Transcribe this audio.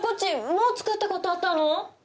もう作ったことあったの？